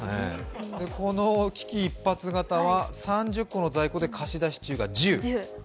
この危機一髪型は３０個の在庫で貸し出し中が１０。